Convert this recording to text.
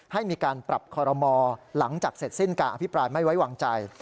ให้มีการปรับคอรมอหลังจากเสร็จสิ้นการอภิปรายไม่ไว้วางใจ